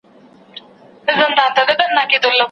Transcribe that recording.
هغه د کره کتونکي نظر په مرسته ښه څېړنه کړې ده.